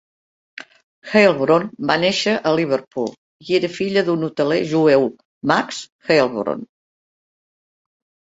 Heilbron va néixer a Liverpool i era filla d'un hoteler jueu, Max Heilbron.